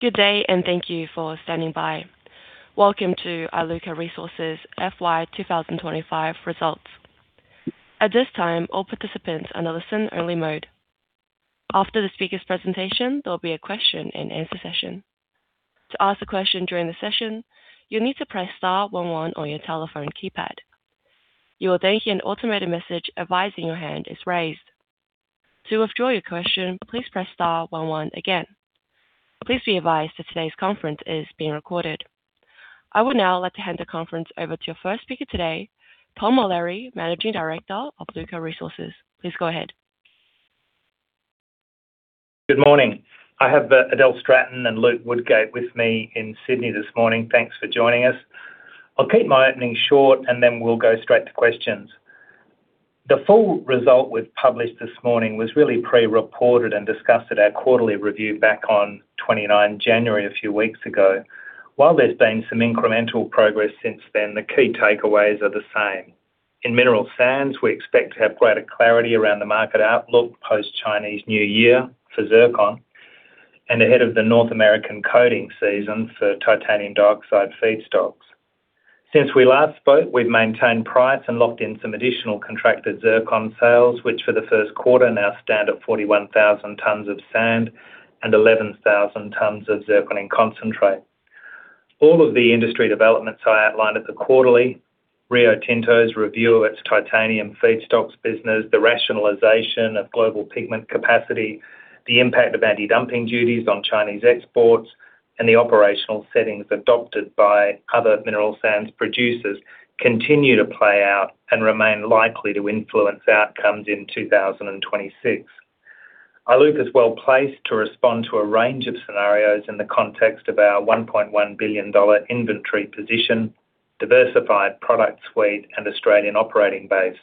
Good day, and thank you for standing by. Welcome to Iluka Resources FY 2025 results. At this time, all participants are on listen-only mode. After the speaker's presentation, there'll be a question-and-answer session. To ask a question during the session, you'll need to press star one one on your telephone keypad. You will then hear an automated message advising your hand is raised. To withdraw your question, please press star one one again. Please be advised that today's conference is being recorded. I would now like to hand the conference over to your first speaker today, Tom O'Leary, Managing Director of Iluka Resources. Please go ahead. Good morning! I have Adele Stratton and Luke Woodgate with me in Sydney this morning. Thanks for joining us. I'll keep my opening short, and then we'll go straight to questions. The full result we've published this morning was really pre-reported and discussed at our quarterly review back on 29 January, a few weeks ago. While there's been some incremental progress since then, the key takeaways are the same. In mineral sands, we expect to have greater clarity around the market outlook post-Chinese New Year for zircon and ahead of the North American coating season for titanium dioxide feedstocks. Since we last spoke, we've maintained price and locked in some additional contracted zircon sales, which for the first quarter now stand at 41,000 tons of sand and 11,000 tons of zircon concentrate. All of the industry developments I outlined at the quarterly, Rio Tinto's review of its titanium feedstocks business, the rationalization of global pigment capacity, the impact of anti-dumping duties on Chinese exports, and the operational settings adopted by other mineral sands producers, continue to play out and remain likely to influence outcomes in 2026. Iluka is well placed to respond to a range of scenarios in the context of our 1.1 billion dollar inventory position, diversified product suite, and Australian operating base.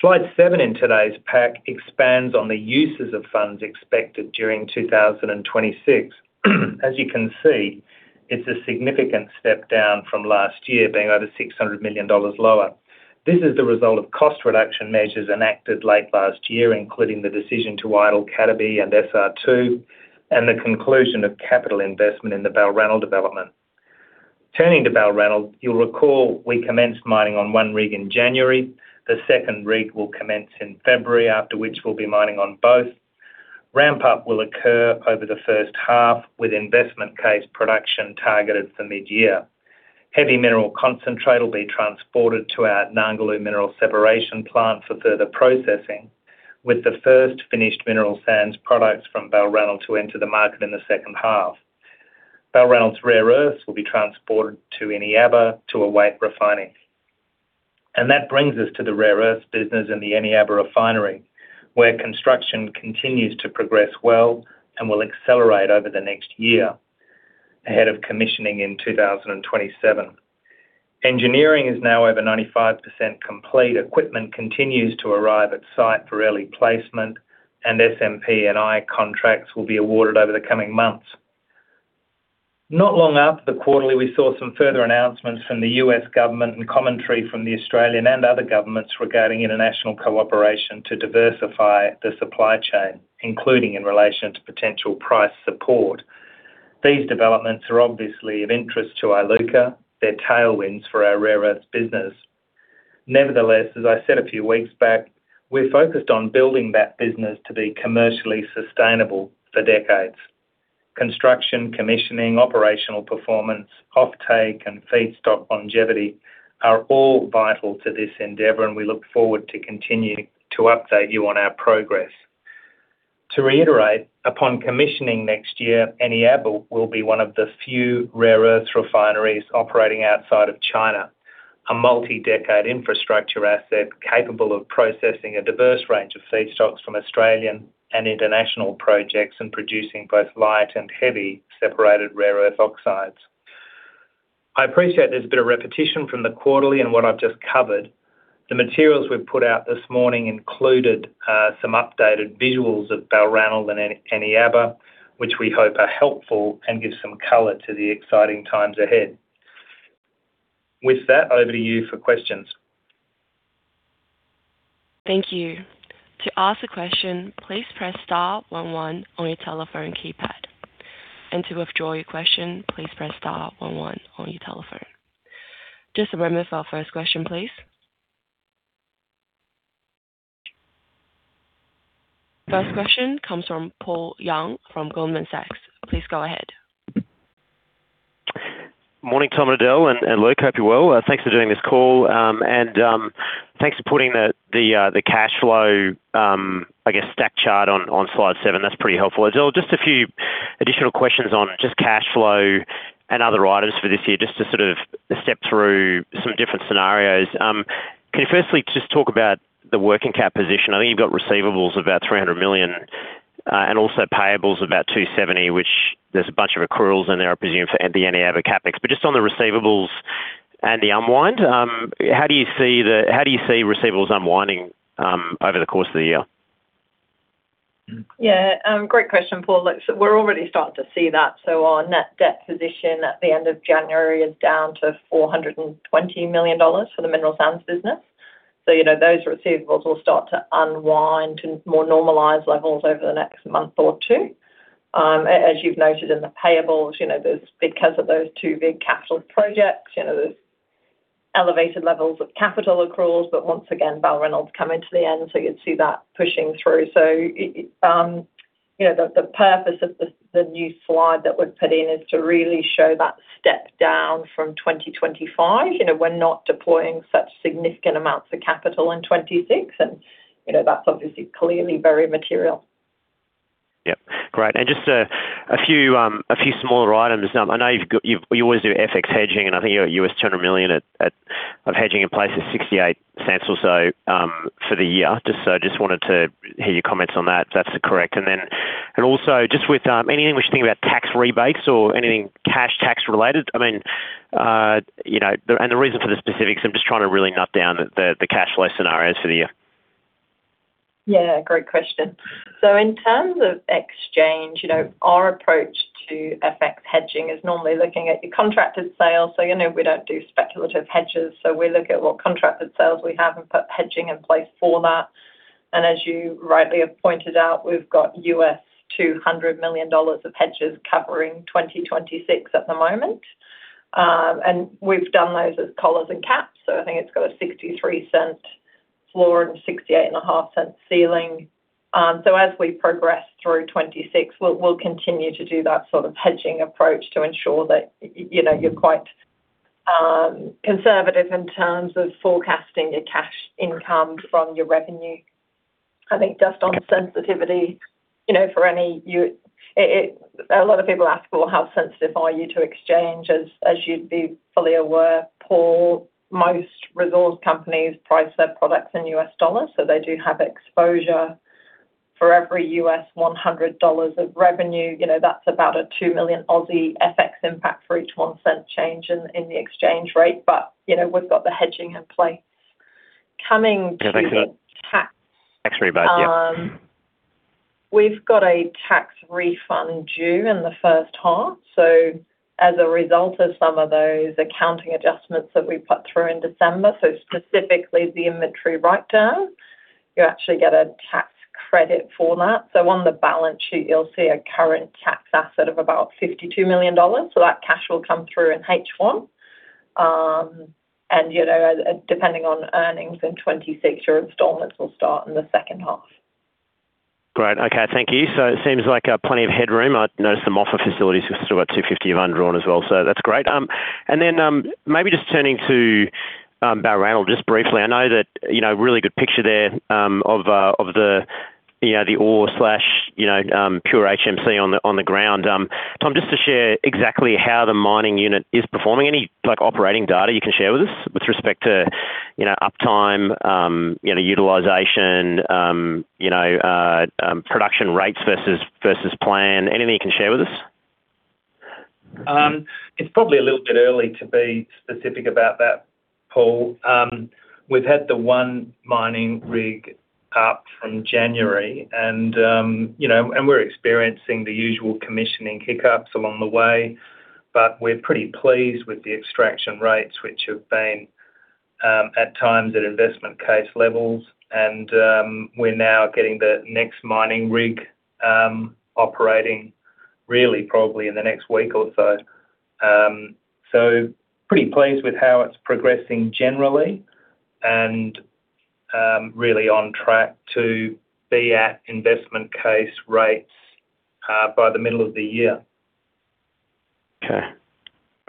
Slide 7 in today's pack expands on the uses of funds expected during 2026. As you can see, it's a significant step down from last year, being over 600 million dollars lower. This is the result of cost reduction measures enacted late last year, including the decision to idle Cataby and SR2, and the conclusion of capital investment in the Balranald development. Turning to Balranald, you'll recall we commenced mining on one rig in January. The second rig will commence in February, after which we'll be mining on both. Ramp-up will occur over the first half, with investment case production targeted for mid-year. Heavy mineral concentrate will be transported to our Narngulu mineral separation plant for further processing, with the first finished mineral sands products from Balranald to enter the market in the second half. Balranald's rare earths will be transported to Eneabba to await refining. And that brings us to the rare earths business in the Eneabba refinery, where construction continues to progress well and will accelerate over the next year ahead of commissioning in 2027. Engineering is now over 95% complete. Equipment continues to arrive at site for early placement, and SMPEI contracts will be awarded over the coming months. Not long after the quarterly, we saw some further announcements from the U.S. government and commentary from the Australian and other governments regarding international cooperation to diversify the supply chain, including in relation to potential price support. These developments are obviously of interest to Iluka. They're tailwinds for our rare earths business. Nevertheless, as I said a few weeks back, we're focused on building that business to be commercially sustainable for decades. Construction, commissioning, operational performance, off-take, and feedstock longevity are all vital to this endeavor, and we look forward to continuing to update you on our progress. To reiterate, upon commissioning next year, Eneabba will be one of the few rare earths refineries operating outside of China, a multi-decade infrastructure asset capable of processing a diverse range of feedstocks from Australian and international projects and producing both light and heavy separated rare earth oxides. I appreciate there's a bit of repetition from the quarterly and what I've just covered. The materials we've put out this morning included some updated visuals of Balranald and Eneabba, which we hope are helpful and give some color to the exciting times ahead. With that, over to you for questions. Thank you. To ask a question, please press star one one on your telephone keypad, and to withdraw your question, please press star one one on your telephone. Just a moment for our first question, please. First question comes from Paul Young, from Goldman Sachs. Please go ahead. Morning, Tom, Adele, and Luke. Hope you're well. Thanks for doing this call, and thanks for putting the cashflow stack chart on Slide 7. That's pretty helpful. Adele, just a few additional questions on cashflow and other items for this year, just to sort of step through some different scenarios. Can you firstly just talk about the working cap position? I think you've got receivables of about 300 million, and also payables of about 270 million, which there's a bunch of accruals in there, I presume, for the Eneabba CapEx. But just on the receivables and the unwind, how do you see receivables unwinding over the course of the year? Yeah, great question, Paul. Look, so we're already starting to see that. So our net debt position at the end of January is down to 420 million dollars for the mineral sands business. So, you know, those receivables will start to unwind to more normalized levels over the next month or two. As you've noted in the payables, you know, there's, because of those two big capital projects, you know, there's elevated levels of capital accruals, but once again, Balranald coming to the end, so you'd see that pushing through. So it, you know, the purpose of the new slide that we've put in is to really show that step down from 2025. You know, we're not deploying such significant amounts of capital in 2026, and, you know, that's obviously clearly very material. Yep, great. Just a few smaller items. I know you always do FX hedging, and I think you're at $200 million of hedging in place at 0.68 or so for the year. Just wanted to hear your comments on that, if that's correct. And then, also, just with anything we should think about tax rebates or anything cash tax-related? I mean, you know, and the reason for the specifics, I'm just trying to really nail down the cash flow scenarios for the year. Yeah, great question. So in terms of exchange, you know, our approach to FX hedging is normally looking at your contracted sales. So, you know, we don't do speculative hedges, so we look at what contracted sales we have and put hedging in place for that. And as you rightly have pointed out, we've got $200 million of hedges covering 2026 at the moment. And we've done those as collars and caps, so I think it's got a $0.63 floor and $0.685 ceiling. So as we progress through 2026, we'll continue to do that sort of hedging approach to ensure that, you know, you're quite conservative in terms of forecasting your cash income from your revenue. I think just on sensitivity, you know, for any, a lot of people ask, well, how sensitive are you to exchange? As you'd be fully aware, Paul, most resource companies price their products in U.S. dollars, so they do have exposure for every U.S. $100 of revenue. You know, that's about a 2 million Aussie FX impact for each 0.01 change in the exchange rate, but, you know, we've got the hedging in place. Coming to. Thanks for that. Tax. Tax rebate, yeah. We've got a tax refund due in the first half, so as a result of some of those accounting adjustments that we put through in December, so specifically the inventory write-down, you actually get a tax credit for that. On the balance sheet, you'll see a current tax asset of about 52 million dollars. That cash will come through in H1. And, you know, depending on earnings in 2026, your installments will start in the second half. Great. Okay, thank you. So it seems like plenty of headroom. I noticed some other facilities with about 250 million of undrawn as well, so that's great. And then, maybe just turning to Balranald, just briefly. I know that, you know, really good picture there of the, you know, the ore slash, you know, pure HMC on the, on the ground. Tom, just to share exactly how the mining unit is performing, any, like, operating data you can share with us with respect to, you know, uptime, you know, utilization, you know, production rates versus, versus plan? Anything you can share with us? It's probably a little bit early to be specific about that, Paul. We've had the one mining rig up from January, and, you know, and we're experiencing the usual commissioning hiccups along the way, but we're pretty pleased with the extraction rates, which have been, at times at investment case levels. And, we're now getting the next mining rig, operating really probably in the next week or so. So pretty pleased with how it's progressing generally, and, really on track to be at investment case rates, by the middle of the year. Okay.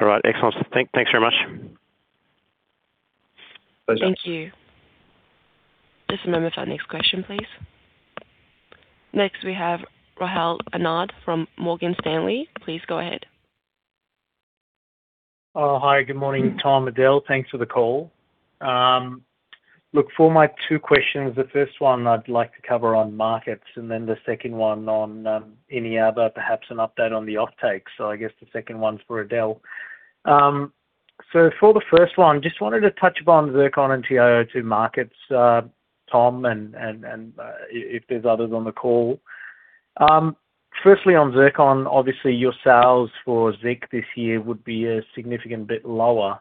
All right. Excellent. Thanks very much. Pleasure. Thank you. Just a moment for our next question, please. Next, we have Rahul Anand from Morgan Stanley. Please go ahead. Hi, good morning, Tom, Adele. Thanks for the call. Look, for my two questions, the first one I'd like to cover on markets, and then the second one on any other, perhaps an update on the offtake. So I guess the second one's for Adele. So for the first one, just wanted to touch upon zircon and TiO2 markets, Tom, and if there's others on the call. Firstly, on zircon, obviously your sales for zircon this year would be a significant bit lower.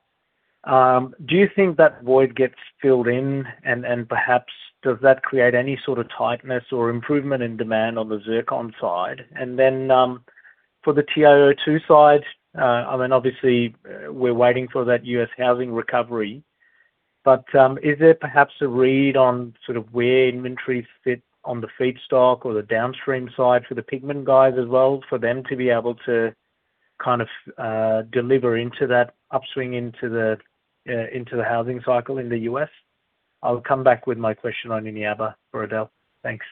Do you think that void gets filled in, and perhaps does that create any sort of tightness or improvement in demand on the zircon side? And then, for the TiO2 side, I mean, obviously, we're waiting for that U.S. housing recovery, but, is there perhaps a read on sort of where inventories fit on the feedstock or the downstream side for the pigment guys as well, for them to be able to kind of, deliver into that upswing into the housing cycle in the U.S.? I'll come back with my question on any other for Adele. Thanks.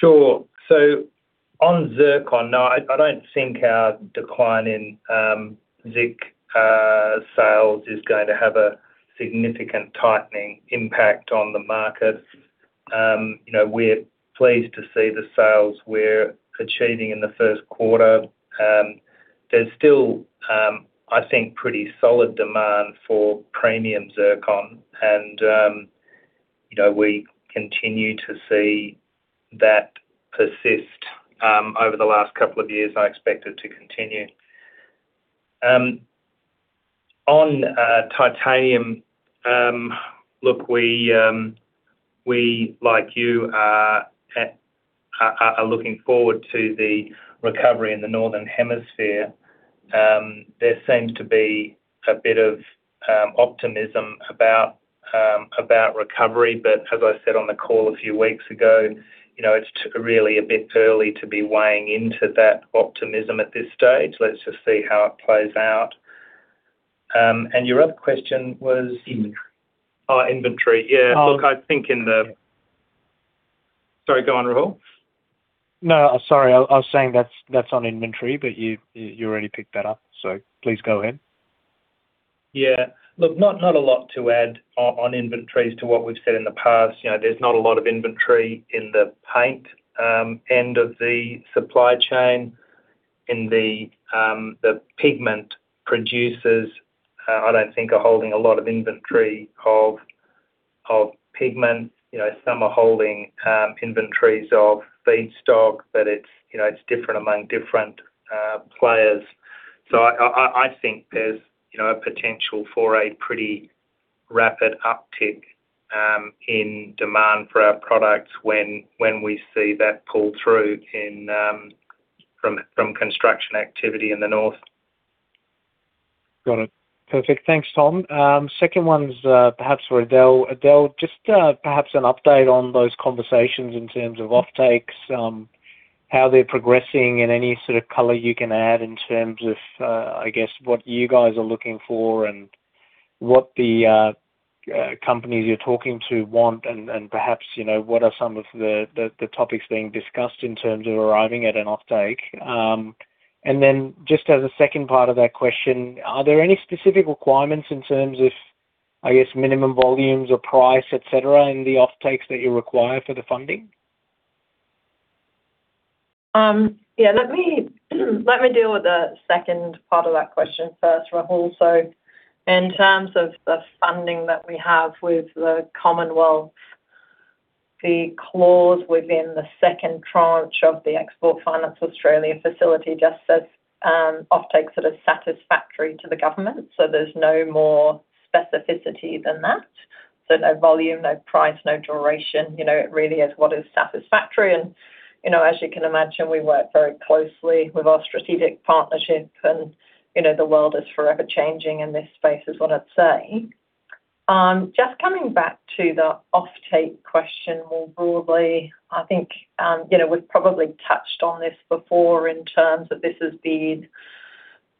Sure. So on zircon, no, I don't think our decline in zircon sales is going to have a significant tightening impact on the market. You know, we're pleased to see the sales we're achieving in the first quarter. There's still, I think, pretty solid demand for premium zircon and you know, we continue to see that persist over the last couple of years, I expect it to continue. On titanium, look, we, like you, are looking forward to the recovery in the Northern Hemisphere. There seems to be a bit of optimism about recovery, but as I said on the call a few weeks ago, you know, it's really a bit early to be weighing into that optimism at this stage. Let's just see how it plays out. Your other question was? Inventory. Oh, inventory. Yeah. Um. Look, I think in the, sorry, go on, Rahul. No, sorry. I was saying that's on inventory, but you already picked that up, so please go ahead. Yeah. Look, not a lot to add on inventories to what we've said in the past. You know, there's not a lot of inventory in the paint end of the supply chain. In the pigment producers, I don't think are holding a lot of inventory of pigment. You know, some are holding inventories of feedstock, but it's, you know, it's different among different players. So I think there's, you know, a potential for a pretty rapid uptick in demand for our products when we see that pull through in from construction activity in the north. Got it. Perfect. Thanks, Tom. Second one's perhaps for Adele. Adele, just perhaps an update on those conversations in terms of offtakes, how they're progressing, and any sort of color you can add in terms of, I guess, what you guys are looking for, and what the companies you're talking to want, and perhaps, you know, what are some of the topics being discussed in terms of arriving at an offtake. And then just as a second part of that question, are there any specific requirements in terms of, I guess, minimum volumes or price, et cetera, in the offtakes that you require for the funding? Yeah, let me, let me deal with the second part of that question first, Rahul. So in terms of the funding that we have with the Commonwealth, the clause within the second tranche of the Export Finance Australia facility just says, offtake sort of satisfactory to the government, so there's no more specificity than that. So no volume, no price, no duration, you know, it really is what is satisfactory. And, you know, as you can imagine, we work very closely with our strategic partnerships, and, you know, the world is forever changing in this space, is what I'd say. Just coming back to the offtake question more broadly, I think, you know, we've probably touched on this before in terms of this has been,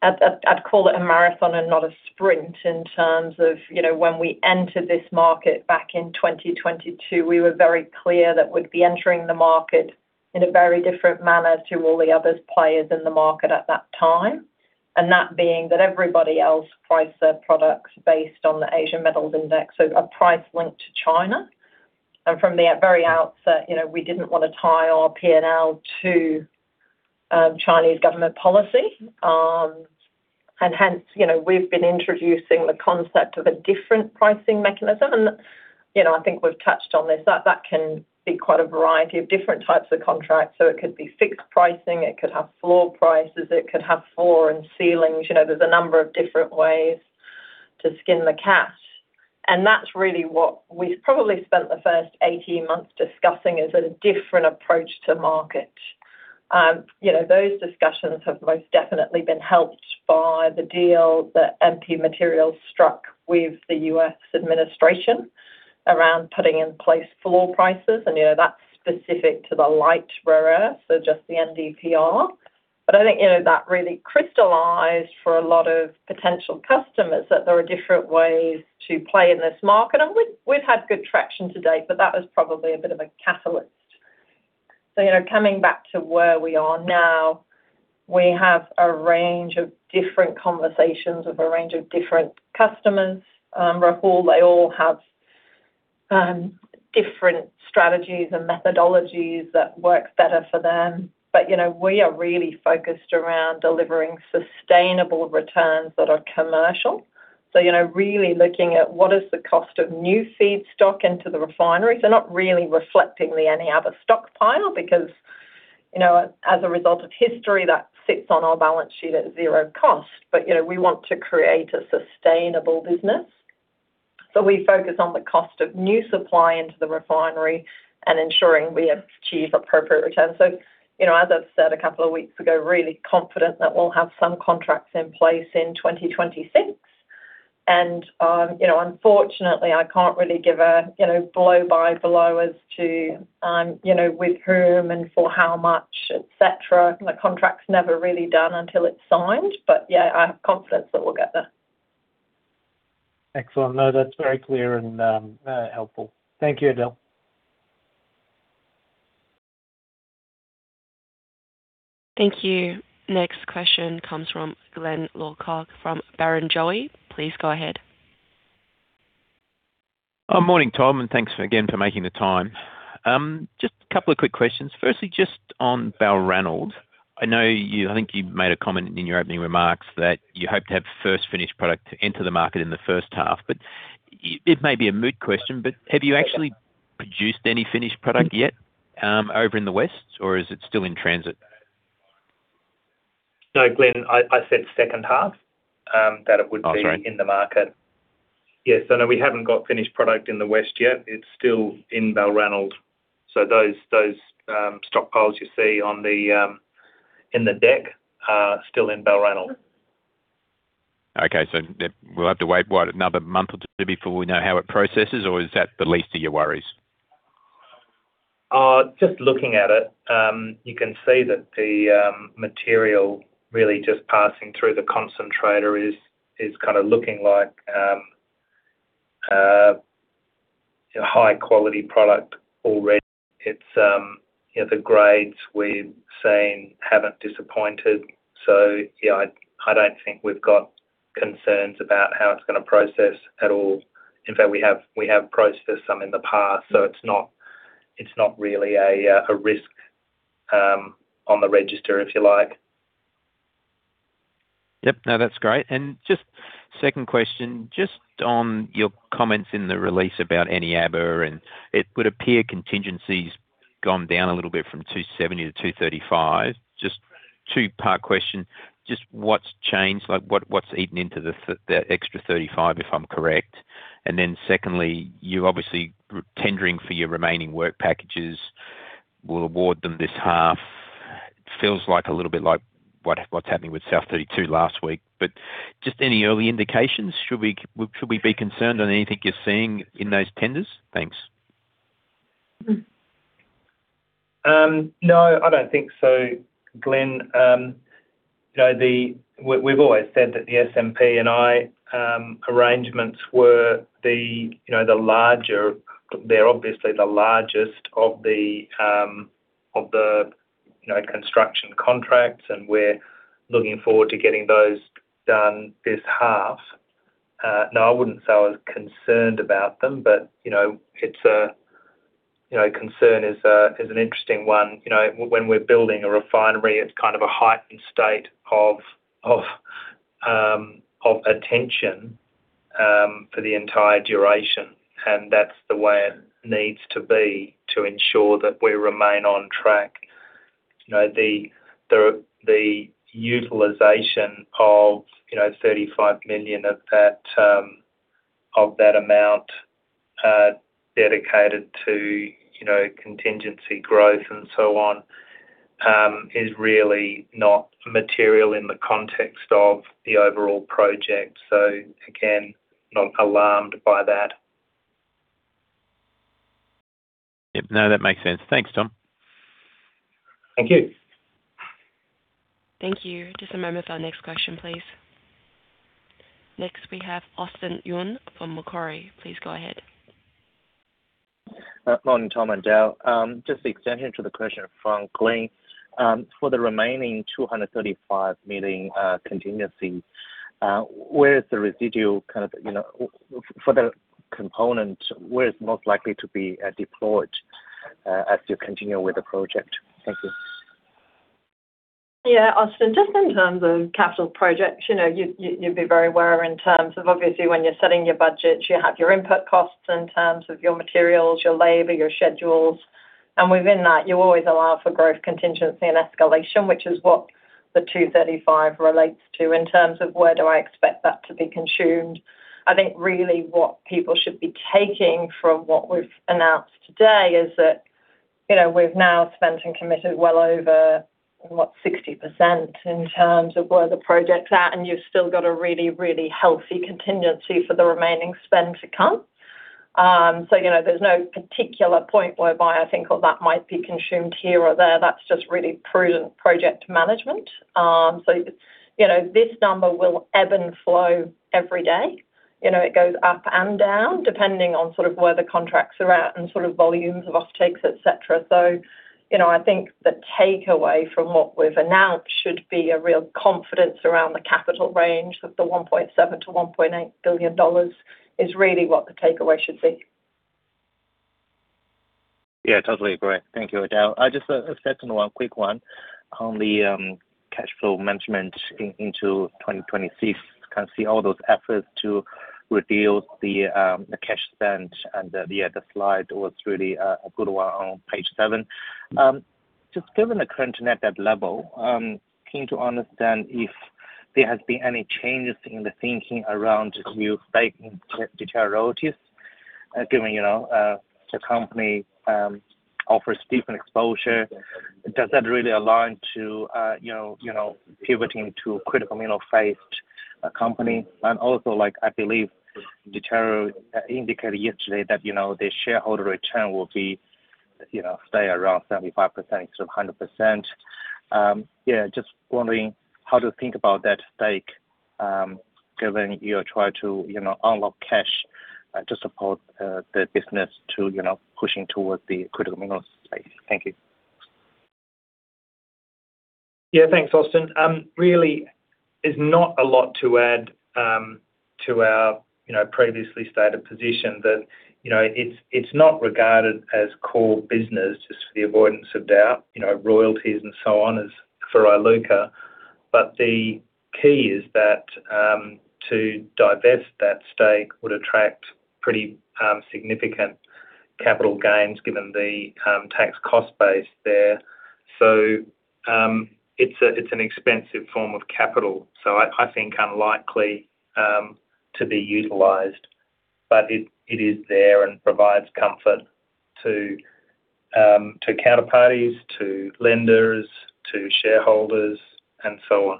I'd call it a marathon and not a sprint in terms of, you know, when we entered this market back in 2022, we were very clear that we'd be entering the market in a very different manner to all the other players in the market at that time. And that being that everybody else priced their products based on the Asian Metal Index, so a price linked to China. And from the very outset, you know, we didn't want to tie our P&L to Chinese government policy. And hence, you know, we've been introducing the concept of a different pricing mechanism. And, you know, I think we've touched on this, that that can be quite a variety of different types of contracts. So it could be fixed pricing, it could have floor prices, it could have floor and ceilings. You know, there's a number of different ways to skin the cat. And that's really what we've probably spent the first 18 months discussing, is a different approach to market. You know, those discussions have most definitely been helped by the deal that MP Materials struck with the U.S. administration around putting in place floor prices, and, you know, that's specific to the light rare earth, so just the NdPr. But I think, you know, that really crystallized for a lot of potential customers that there are different ways to play in this market. And we've had good traction to date, but that was probably a bit of a catalyst. So, you know, coming back to where we are now, we have a range of different conversations with a range of different customers. Rahul, they all have different strategies and methodologies that work better for them. But, you know, we are really focused around delivering sustainable returns that are commercial. So, you know, really looking at what is the cost of new feedstock into the refinery. So not really reflecting than any other stockpile, because, you know, as a result of history, that sits on our balance sheet at zero cost. But, you know, we want to create a sustainable business, so we focus on the cost of new supply into the refinery and ensuring we achieve appropriate returns. So, you know, as I've said a couple of weeks ago, really confident that we'll have some contracts in place in 2026. You know, unfortunately, I can't really give a, you know, blow-by-blow as to, with whom and for how much, et cetera. The contract's never really done until it's signed, but, yeah, I have confidence that we'll get there. Excellent. No, that's very clear and, helpful. Thank you, Adele. Thank you. Next question comes from Glyn Lawcock from Barrenjoey. Please go ahead. Morning, Tom, and thanks again for making the time. Just a couple of quick questions. Firstly, just on Balranald. I know you, I think you made a comment in your opening remarks that you hope to have first finished product to enter the market in the first half. But it, it may be a moot question, but have you actually produced any finished product yet, over in the West, or is it still in transit? No, Glyn, I said second half, that it would be. Oh, sorry. In the market. Yes. So no, we haven't got finished product in the West yet. It's still in Balranald. So those stockpiles you see on the in the deck are still in Balranald. Okay, so then we'll have to wait, what, another month or two before we know how it processes, or is that the least of your worries? Just looking at it, you can see that the material really just passing through the concentrator is kind of looking like a high-quality product already. It's, you know, the grades we've seen haven't disappointed, so yeah, I don't think we've got concerns about how it's gonna process at all. In fact, we have processed some in the past, so it's not really a risk on the register, if you like. Yep. No, that's great. And just second question, just on your comments in the release about Eneabba, and it would appear contingency's gone down a little bit from 270 million to 235 million. Just two-part question: Just what's changed? Like, what, what's eaten into the extra 35 million, if I'm correct? And then secondly, you obviously tendering for your remaining work packages, will award them this half. Feels like a little bit like what, what's happening with South32 last week, but just any early indications, should we, should we be concerned on anything you're seeing in those tenders? Thanks. No, I don't think so, Glyn. You know, we've always said that the SMPEI arrangements were the larger. They're obviously the largest of the construction contracts, and we're looking forward to getting those done this half. No, I wouldn't say I was concerned about them, but you know, it's a you know, concern is an interesting one. You know, when we're building a refinery, it's kind of a heightened state of attention for the entire duration, and that's the way it needs to be to ensure that we remain on track. You know, the utilization of, you know, 35 million of that amount dedicated to, you know, contingency growth and so on, is really not material in the context of the overall project. So again, not alarmed by that. Yep. No, that makes sense. Thanks, Tom. Thank you. Thank you. Just a moment for our next question, please. Next, we have Austin Yun from Macquarie. Please go ahead. Morning, Tom and Adele. Just an extension to the question from Glyn. For the remaining 235 million contingency, where is the residual kind of, you know, for the component, where is most likely to be deployed, as you continue with the project? Thank you. Yeah, Austin, just in terms of capital projects, you know, you'd be very aware in terms of obviously, when you're setting your budgets, you have your input costs in terms of your materials, your labor, your schedules, and within that, you always allow for growth, contingency, and escalation, which is what the 235 million relates to. In terms of where do I expect that to be consumed, I think really what people should be taking from what we've announced today is that, you know, we've now spent and committed well over 60% in terms of where the project's at, and you've still got a really, really healthy contingency for the remaining spend to come. So, you know, there's no particular point whereby I think all that might be consumed here or there. That's just really prudent project management. So, you know, this number will ebb and flow every day. You know, it goes up and down, depending on sort of where the contracts are at and sort of volumes of offtakes, et cetera. So, you know, I think the takeaway from what we've announced should be a real confidence around the capital range of 1.7 billion-1.8 billion dollars is really what the takeaway should be. Yeah, totally agree. Thank you, Adele. Just a second one, quick one on the cash flow management into 2026. I can see all those efforts to reveal the cash spend, and yeah, the slide was really a good one on Page 7. Just given the current net debt level, keen to understand if there has been any changes in the thinking around new banking facilities, given, you know, the company offers deep exposure. Does that really align to, you know, pivoting to a critical minerals-focused company? And also, like, I believe, Deterra indicated yesterday that, you know, the shareholder return will be, you know, stay around 75%-100%. Yeah, just wondering how to think about that take, given you try to, you know, unlock cash to support the business to, you know, pushing towards the critical minerals space. Thank you. Yeah, thanks, Austin. There's not a lot to add to our, you know, previously stated position that, you know, it's, it's not regarded as core business, just for the avoidance of doubt, you know, royalties and so on, as for Iluka. But the key is that, to divest that stake would attract pretty, significant capital gains, given the, tax cost base there. So, it's a, it's an expensive form of capital, so I, I think unlikely, to be utilized. But it, it is there and provides comfort to, to counterparties, to lenders, to shareholders, and so on.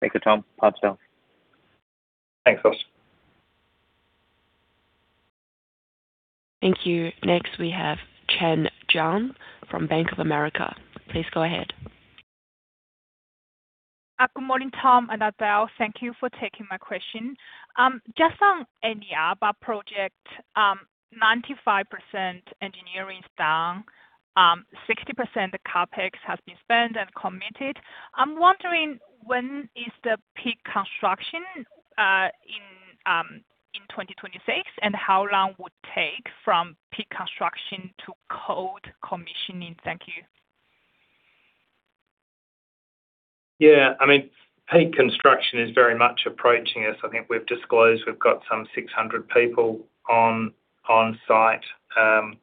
Thank you, Tom. Adele. Thanks, Austin. Thank you. Next, we have Chen Jiang from Bank of America. Please go ahead. Good morning, Tom and Adele. Thank you for taking my question. Just on any other project, 95% engineering is down, 60% of CapEx has been spent and committed. I'm wondering, when is the peak construction in 2026? And how long would it take from peak construction to code commissioning? Thank you. Yeah, I mean, peak construction is very much approaching us. I think we've disclosed we've got some 600 people on site, on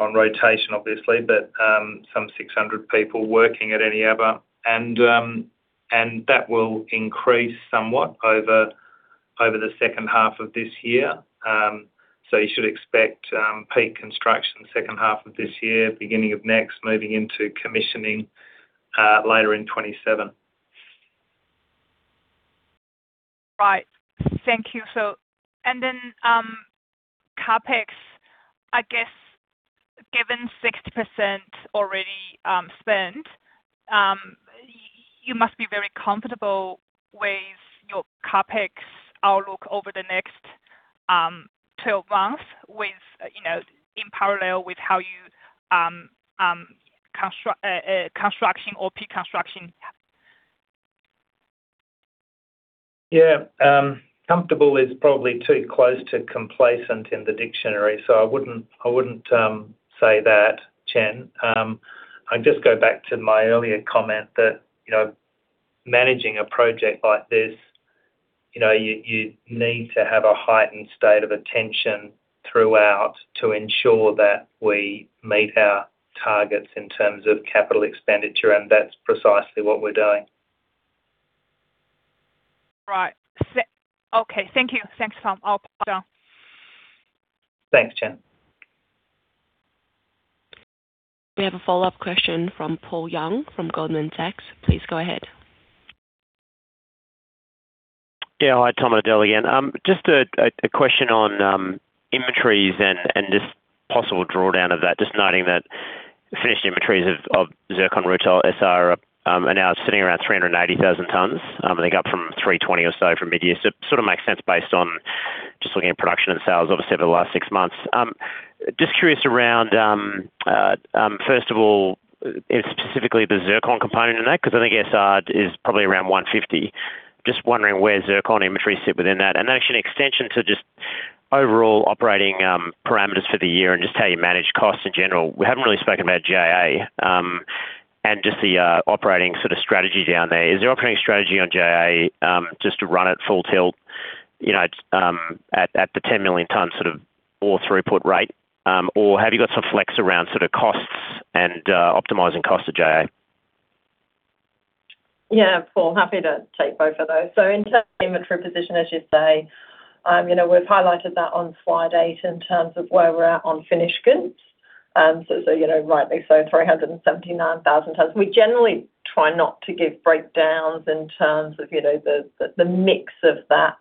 rotation, obviously, but some 600 people working at Eneabba. And that will increase somewhat over the second half of this year. So you should expect peak construction second half of this year, beginning of next, moving into commissioning later in 2027. Right. Thank you. So, and then, CapEx, I guess, given 60% already spent, you must be very comfortable with your CapEx outlook over the next 12 months with, you know, in parallel with how you construct construction or peak construction. Yeah. Comfortable is probably too close to complacent in the dictionary, so I wouldn't say that, Chen. I'd just go back to my earlier comment that, you know, managing a project like this, you know, you need to have a heightened state of attention throughout to ensure that we meet our targets in terms of capital expenditure, and that's precisely what we're doing. Right. Okay. Thank you. Thanks, Tom. I'll pass down. Thanks, Chen. We have a follow-up question from Paul Young from Goldman Sachs. Please go ahead. Yeah. Hi, Tom, Adele again. Just a question on inventories and just possible drawdown of that, just noting that finished inventories of zircon, rutile, SR are now sitting around 380,000 tons, and they go up from 320,000 or so from mid-year. So sort of makes sense based on just looking at production and sales, obviously, over the last six months. Just curious around first of all, specifically the zircon component in that, because I think SR is probably around 150,000. Just wondering where zircon inventories sit within that. And actually, an extension to just overall operating parameters for the year and just how you manage costs in general. We haven't really spoken about JA, and just the operating sort of strategy down there. Is your operating strategy on JA just to run it full tilt, you know, at the 10 million ton sort of ore throughput rate? Or have you got some flex around sort of costs and optimizing cost to JA? Yeah, Paul, happy to take both of those. So in terms of inventory position, as you say, you know, we've highlighted that on Slide 8 in terms of where we're at on finished goods. So, you know, rightly so, 379,000 tons. We generally try not to give breakdowns in terms of, you know, the mix of that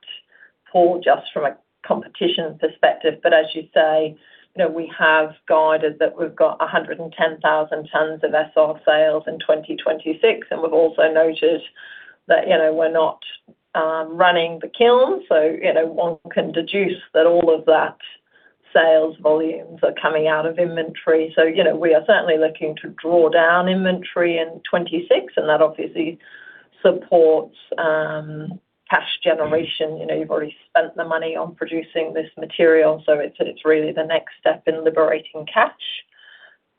pool just from a competition perspective. But as you say, you know, we have guided that we've got 110,000 tons of SR sales in 2026, and we've also noted that, you know, we're not running the kiln. So, you know, one can deduce that all of that sales volumes are coming out of inventory. So, you know, we are certainly looking to draw down inventory in 2026, and that obviously supports cash generation. You know, you've already spent the money on producing this material, so it's really the next step in liberating cash.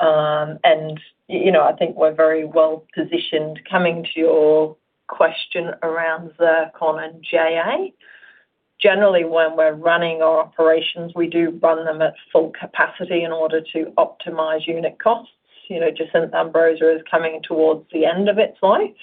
And, you know, I think we're very well-positioned coming to your question around the common JA. Generally, when we're running our operations, we do run them at full capacity in order to optimize unit costs. You know, Jacinth-Ambrosia is coming towards the end of its life,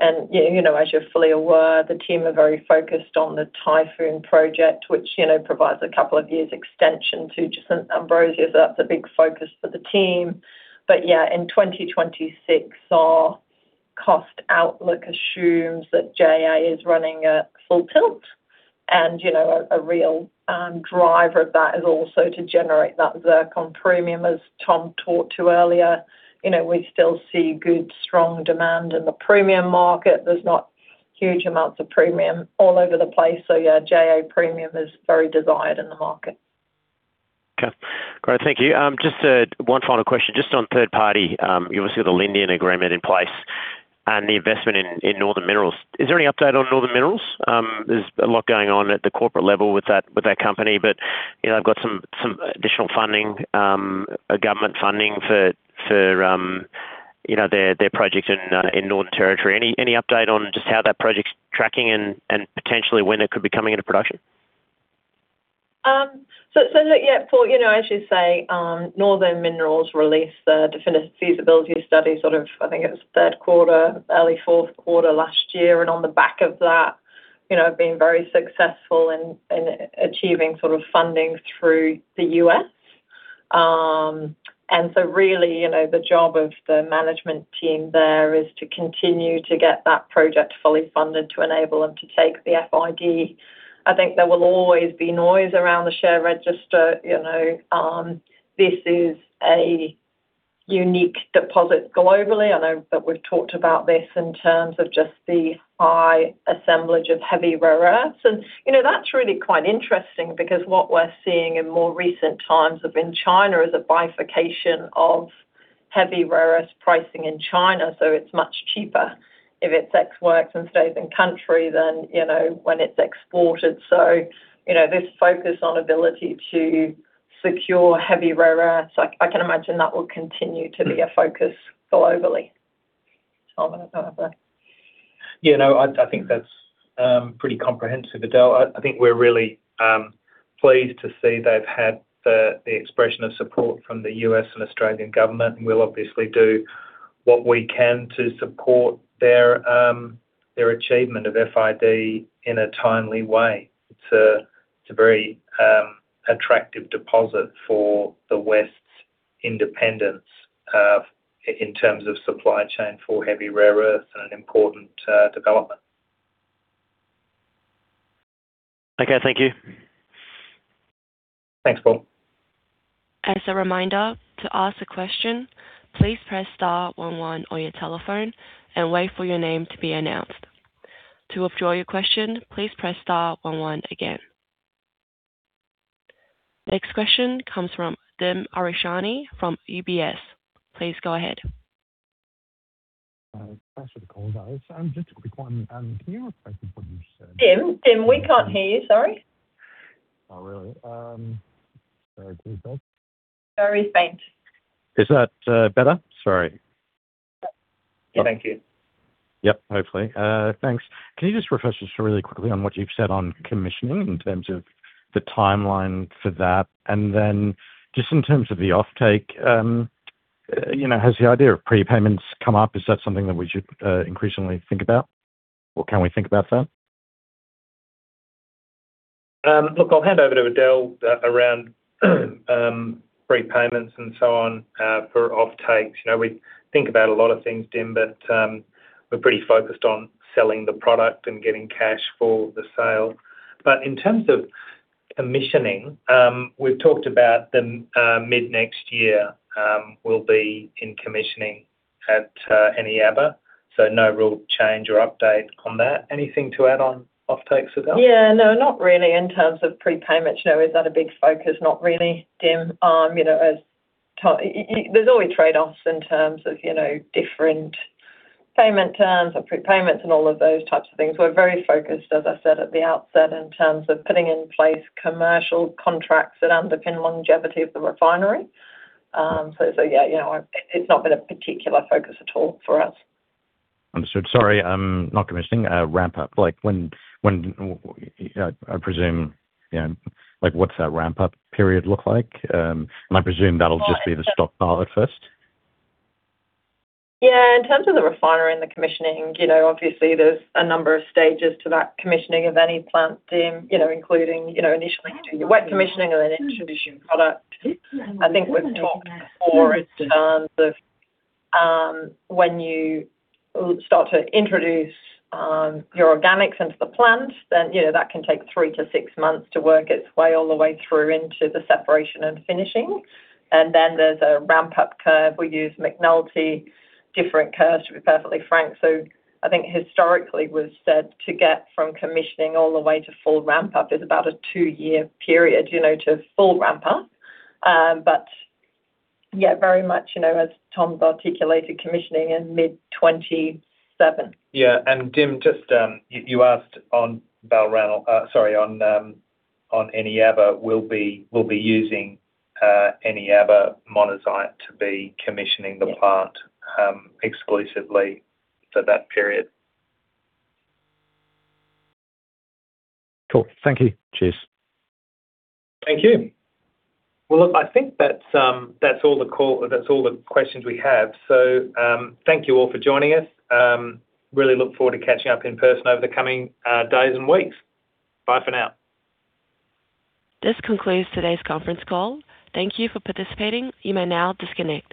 and you know, as you're fully aware, the team are very focused on the Typhoon project, which, you know, provides a couple of years extension to Jacinth-Ambrosia. So that's a big focus for the team. But yeah, in 2026, our cost outlook assumes that JA is running at full tilt, and, you know, a real driver of that is also to generate that zircon premium, as Tom talked to earlier. You know, we still see good, strong demand in the premium market. There's not huge amounts of premium all over the place. So yeah, JA premium is very desired in the market. Okay, great. Thank you. Just, one final question. Just on third party, you obviously have the Lindian agreement in place and the investment in, in Northern Minerals. Is there any update on Northern Minerals? There's a lot going on at the corporate level with that, with that company, but, you know, I've got some, some additional funding, a government funding for, for, you know, their, their project in, in Northern Territory. Any, any update on just how that project's tracking and, and potentially when it could be coming into production? So, so look, yeah, Paul, you know, as you say, Northern Minerals released the definitive feasibility study, sort of, I think it was third quarter, early fourth quarter last year. And on the back of that, you know, have been very successful in achieving sort of funding through the U.S. And so really, you know, the job of the management team there is to continue to get that project fully funded, to enable them to take the FID. I think there will always be noise around the share register, you know, this is a unique deposit globally. I know that we've talked about this in terms of just the high assemblage of heavy rare earths. And, you know, that's really quite interesting because what we're seeing in more recent times of in China, is a bifurcation of heavy rare earths pricing in China. So it's much cheaper if it's ex works and stays in country than, you know, when it's exported. So, you know, this focus on ability to secure heavy rare earths, I can imagine that will continue to be a focus globally. Tom, anything to add there? You know, I think that's pretty comprehensive, Adele. I think we're really pleased to see they've had the expression of support from the U.S. and Australian government, and we'll obviously do what we can to support their achievement of FID in a timely way. It's a very attractive deposit for the West's independence in terms of supply chain for heavy rare earths and an important development. Okay. Thank you. Thanks, Paul. As a reminder, to ask a question, please press star one one on your telephone and wait for your name to be announced. To withdraw your question, please press star one one again. Next question comes from Dim Ariyasinghe from UBS. Please go ahead. Thanks for the call, guys. Just a quick one. Can you explain what you said? Dim, Dim, we can't hear you. Sorry. Oh, really? Sorry about that. Very faint. Is that better? Sorry. Thank you. Yep, hopefully. Thanks. Can you just refresh us just really quickly on what you've said on commissioning in terms of the timeline for that? And then just in terms of the offtake, you know, has the idea of prepayments come up? Is that something that we should increasingly think about, or can we think about that? Look, I'll hand over to Adele around prepayments and so on for offtakes. You know, we think about a lot of things, Dim, but we're pretty focused on selling the product and getting cash for the sale. But in terms of commissioning, we've talked about the mid-next year, we'll be in commissioning at Eneabba. So no real change or update on that. Anything to add on offtakes, Adele? Yeah. No, not really in terms of prepayments. No. Is that a big focus? Not really, Dim. You know, as there's always trade-offs in terms of, you know, different payment terms or prepayments and all of those types of things. We're very focused, as I said at the outset, in terms of putting in place commercial contracts that underpin longevity of the refinery. So, so yeah, you know, it, it's not been a particular focus at all for us. Understood. Sorry, not commissioning, ramp up, like when, I presume, you know, like what's that ramp-up period look like? And I presume that'll just be the stockpile at first. Yeah. In terms of the refinery and the commissioning, you know, obviously there's a number of stages to that commissioning of any plant, Dim, you know, including, you know, initially do your wet commissioning and then introduce your product. I think we've talked before in terms of, when you start to introduce, your organics into the plant, then, you know, that can take three to six months to work its way all the way through into the separation and finishing. And then there's a ramp-up curve. We use McNulty curves, different curves, to be perfectly frank. So I think historically it was said to get from commissioning all the way to full ramp-up is about a two-year period, you know, to full ramp-up. But yeah, very much, you know, as Tom's articulated, commissioning in mid-2027. Yeah, and Dim, just, you asked on Balranald, sorry, on Eneabba. We'll be using Eneabba monazite to be commissioning the plant, exclusively for that period. Cool. Thank you. Cheers. Thank you. Well, look, I think that's all the call, that's all the questions we have. So, thank you all for joining us. Really look forward to catching up in person over the coming days and weeks. Bye for now. This concludes today's conference call. Thank you for participating. You may now disconnect.